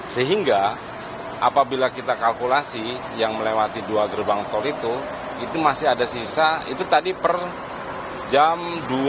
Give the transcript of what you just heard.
sehingga apabila kita kalkulasi yang melewati dua gerbang tol itu itu masih ada sisa itu tadi per jam dua puluh